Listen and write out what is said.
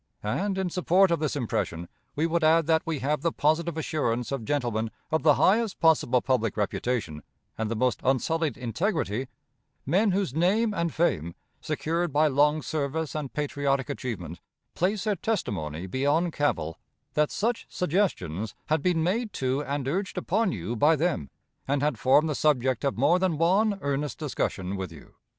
And, in support of this impression, we would add that we have the positive assurance of gentlemen of the highest possible public reputation and the most unsullied integrity men whose name and fame, secured by long service and patriotic achievement, place their testimony beyond cavil that such suggestions had been made to and urged upon you by them, and had formed the subject of more than one earnest discussion with you.